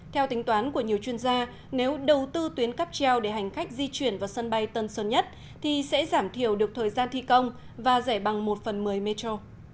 theo tính toán của nhiều chuyên gia nếu đầu tư tuyến cắp treo để hành khách di chuyển vào sân bay tân sơn nhất thì sẽ giảm thiểu được thời gian thi công và rẻ bằng một phần một mươi metro